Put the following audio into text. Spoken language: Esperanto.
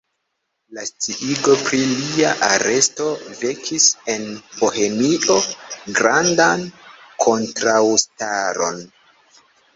La sciigo pri lia aresto vekis en Bohemio grandan kontraŭstaron.